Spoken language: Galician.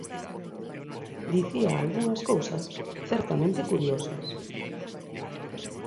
Dicía algunhas cousas certamente curiosas.